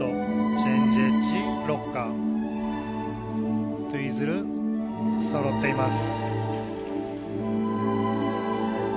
チェンジエッジロッカーツイズルそろっています。